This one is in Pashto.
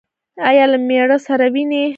ایا له میړه سره وینئ؟